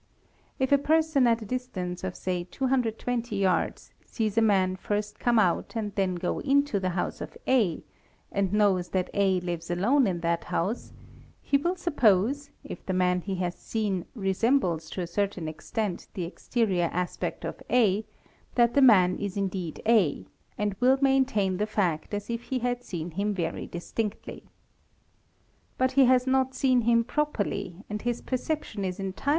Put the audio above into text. If a person at a distance of say 220 S sees a man first come out and then go into the house of A, and 10ws that A lives alone in that house, he will suppose, if the man he has seen resembles to a certain extent the exterior aspect of A, that the 1 nan is indeed A and will maintain the fact, as if he had seen him very stinctly. But he has not seen him properly and his perception is re!